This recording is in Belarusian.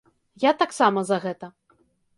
Я таксама за гэта.